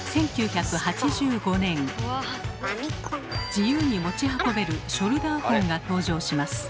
自由に持ち運べるショルダーホンが登場します。